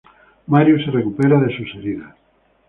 Marius se recupera de sus heridas.